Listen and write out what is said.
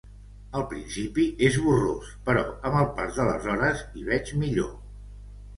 Al principi és borrós, però amb el pas de les hores hi veig millor.